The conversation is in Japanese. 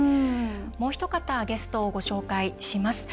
もうひと方ゲストをご紹介します。